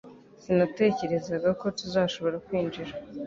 Sinatekerezaga ko tuzashobora kwinjira